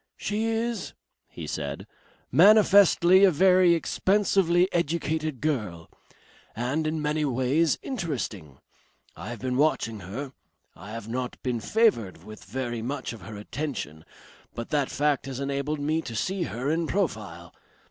"She is," he said, "manifestly a very expensively educated girl. And in many ways interesting. I have been watching her. I have not been favoured with very much of her attention, but that fact has enabled me to see her in profile.